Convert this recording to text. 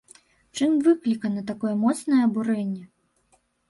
Чым выклікана такое моцнае абурэнне?